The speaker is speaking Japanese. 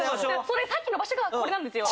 それさっきの場所がこれなんですよ。